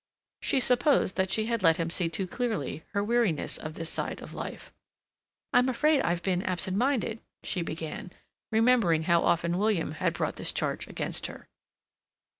She supposed that she had let him see too clearly her weariness of this side of life. "I'm afraid I've been absent minded," she began, remembering how often William had brought this charge against her.